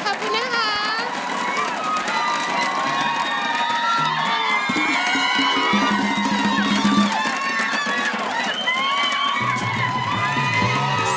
ไว้เป็นแม่ป่วยไม่ได้จิตพิษ